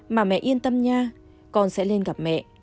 mà mẹ yên tâm nha con sẽ lên gặp mẹ